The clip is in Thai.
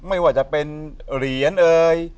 ไม่ว่าจะเป็นเหรียญ